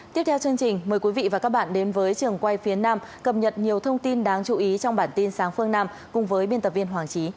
tiếp theo chương trình mời quý vị và các bạn đến với trường quay phía nam cập nhật nhiều thông tin đáng chú ý trong bản tin sáng phương nam cùng với biên tập viên hoàng trí